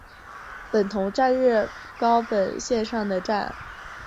本桐站日高本线上的站。